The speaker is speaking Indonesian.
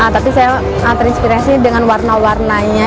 tapi saya terinspirasi dengan warna warnanya